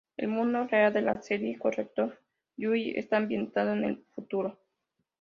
El mundo real en la serie Corrector Yui está ambientado en el futuro.